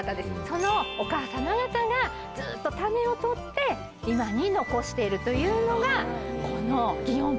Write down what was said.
そのお母様方がずっと種を採って今に残してるというのがこの。